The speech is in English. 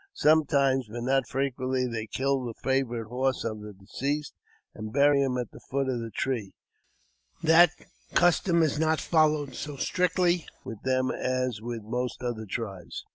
Sometimes, but not frequently, they kill the favourite horse of the deceased, and bury him at the foot of the tree ; but that custom is not followed so strictly with them as with most other tribes.